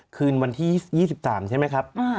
คืนวันที่๒๓ใช่ไหมครับ